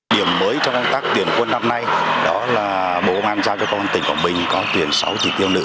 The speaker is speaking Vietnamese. điểm mới trong công tác tuyển quân năm nay đó là bộ công an giao cho công an tỉnh quảng bình có tuyển sáu chỉ tiêu nữ